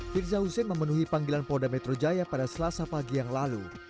firza husein memenuhi panggilan polda metro jaya pada selasa pagi yang lalu